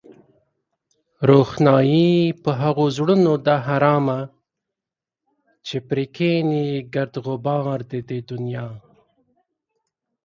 روښنايي په هغو زړونو ده حرامه چې پرې کېني گرد غبار د دې دنيا